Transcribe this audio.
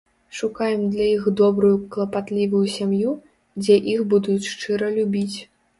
Шукаем для іх добрую клапатлівую сям'ю, дзе іх будуць шчыра любіць.